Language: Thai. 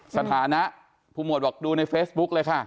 สถานะผู้หวดบอกดูในเฟซบุ๊กเลยค่ะ